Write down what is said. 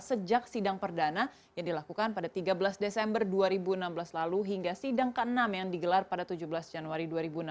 sejak sidang perdana yang dilakukan pada tiga belas desember dua ribu enam belas lalu hingga sidang ke enam yang digelar pada tujuh belas januari dua ribu enam belas